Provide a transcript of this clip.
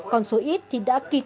còn số ít thì đã kịp